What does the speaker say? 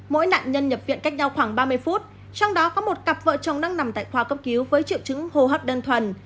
mỗi nạn nhân nhập viện cách nhau khoảng ba mươi phút trong đó có một cặp vợ chồng đang nằm tại khoa cấp cứu với triệu chứng hô hấp đơn thuần